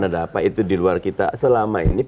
ada apa itu di luar kita